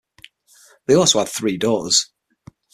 They also had three daughters.